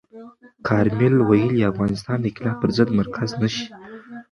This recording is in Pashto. کارمل ویلي، افغانستان د انقلاب پر ضد مرکز نه شي.